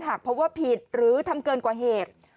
หากพบว่าผิดหรือทำเกินกว่าเหตุ